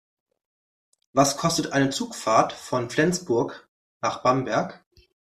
Was kostet eine Zugfahrt von Flensburg nach Bamberg?